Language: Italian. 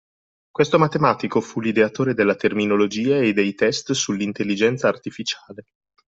Questo matematico fu l'ideatore della terminologia e dei test sull'Intelligenza Artificiale